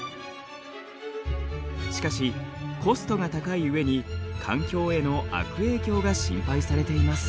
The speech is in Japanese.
しかしコストが高い上に環境への悪影響が心配されています。